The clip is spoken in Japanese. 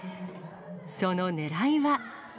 そのねらいは。